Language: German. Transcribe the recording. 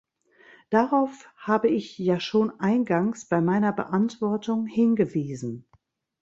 Darauf habe ich ja schon eingangs bei meiner Beantwortung hingewiesen.